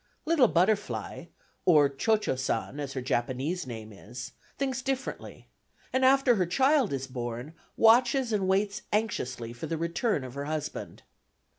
Little Butterfly (or Cio Cio San, as her Japanese name is) thinks differently, and after her child is born watches and waits anxiously for the return of her husband.